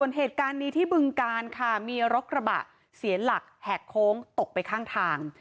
ส่วนเหตุการณ์นี้ที่บึงการค่ะมีรถกระบะเสียหลักแหกโค้งตกไปข้างทาง